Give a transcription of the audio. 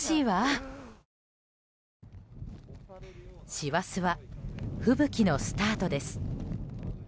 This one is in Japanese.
師走は吹雪のスタートです。